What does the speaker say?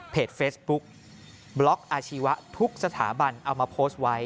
เฟซบุ๊กบล็อกอาชีวะทุกสถาบันเอามาโพสต์ไว้